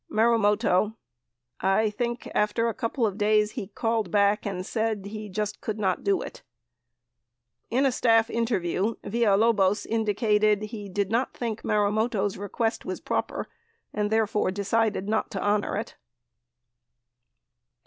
Martjmoto. I think after a couple of days, he called back and said he just could not do it . 59 In a staff interview, Villalobos indicated he did not think Maru moto's request proper and therefore decided not to honor it.